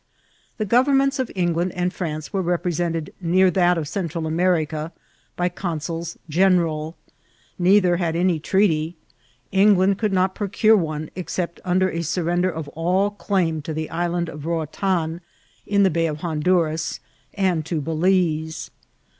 The governments of England and France were repre sented near that of Central America by consuls general. Neither had any treaty; England could not procure one except upon a surrender of all claim to the Isl and of Roatan, in the Bay of Honduras, and to Ba lize.